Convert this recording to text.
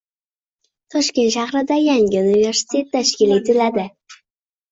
Toshkent shahrida yangi universitet tashkil etiladi